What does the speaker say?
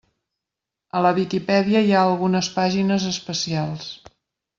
A la Viquipèdia hi ha algunes pàgines especials.